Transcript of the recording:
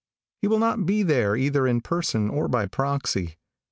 He will not be there either in person or by proxy.